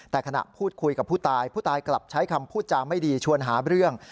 แต่ขณะพูดคุยกับผู้ตายผู้ตายกลับใช้คำพูดจาไม่ดีชวนหาเรื่อง